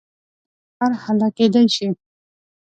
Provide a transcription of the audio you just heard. دا کار هله کېدای شي.